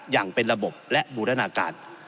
อย่างเป็นระบบและบูรณาการ